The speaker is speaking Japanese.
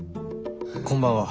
こんばんは。